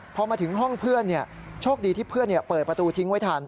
พอมาถึงห้องเพื่อนโชคดีที่เพื่อนเปิดประตูทิ้งไว้ทัน